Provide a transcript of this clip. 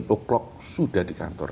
delapan o'clock sudah di kantor